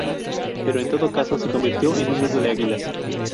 Pero en todo caso se convirtió en un nido de águilas.